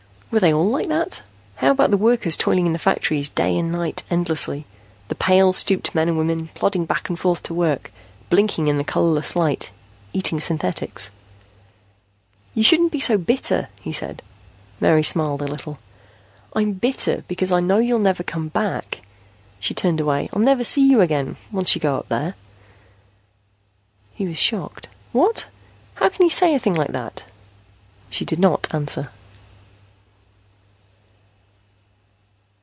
Were they all like that? How about the workers toiling in the factories, day and night, endlessly? The pale, stooped men and women, plodding back and forth to work, blinking in the colorless light, eating synthetics "You shouldn't be so bitter," he said. Mary smiled a little. "I'm bitter because I know you'll never come back." She turned away. "I'll never see you again, once you go up there." He was shocked. "What? How can you say a thing like that?" She did not answer.